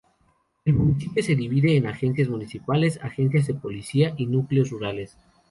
El municipio de divide en agencias municipales, agencias de policía y núcleos rurales.